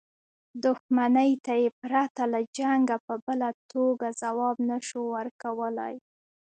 دښمنۍ ته یې پرته له جنګه په بله توګه ځواب نه شو ورکولای.